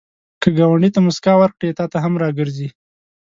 که ګاونډي ته مسکا ورکړې، تا ته هم راګرځي